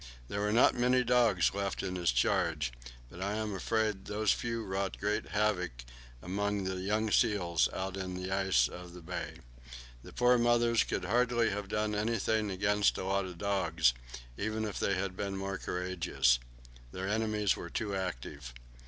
There were not many dogs left in his charge, but I am afraid those few wrought great havoc among the young seals out on the ice of the bay. The poor mothers could hardly have done anything against a lot of dogs, even if they had been more courageous. Their enemies were too active.